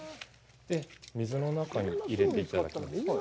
水の中に入れていただきます。